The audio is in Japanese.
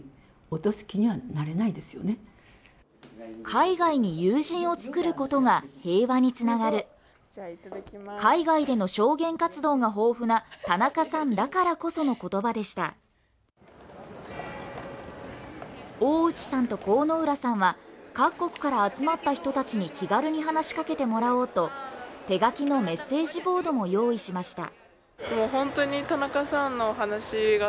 海外に友人を作ることが平和につながる海外での証言活動が豊富な田中さんだからこその言葉でした大内さんと神浦さんは各国から集まった人達に気軽に話しかけてもらおうと手書きのメッセージボードも用意しました